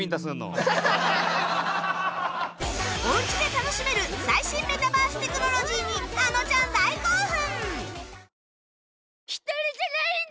お家で楽しめる最新メタバーステクノロジーにあのちゃん大興奮！